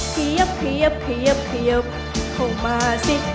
เขยับเขยับเขยับเขยับเข้ามาสิ